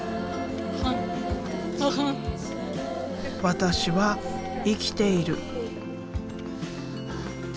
私は生きている。